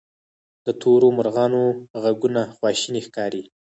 د تورو مرغانو ږغونه خواشیني ښکاري.